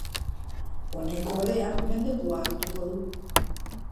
Honek, ordea, mendekua hartuko du.